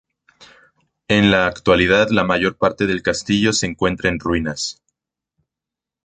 En la actualidad la mayor parte del castillo se encuentra en ruinas.